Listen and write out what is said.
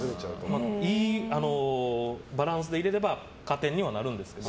いいバランスで入れれば加点にはなるんですけど。